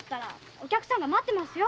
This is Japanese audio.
お客さま待ってますよ〕